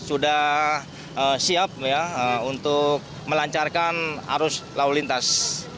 sudah siap untuk melancarkan arus lalu lintas